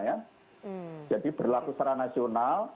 ini adalah pemnatalan tratasional